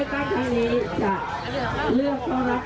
นโยบายประชาณิกปัจจึงเปิดขึ้นมาด้วยคำว่าแก้จน